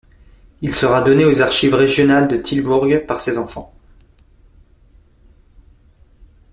Il sera donné aux Archives régionales de Tilbourg par ses enfants.